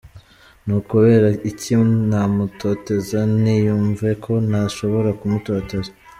Ni ukubera iki namutoteza? Niyumve ko ntashobora kumutoteza”.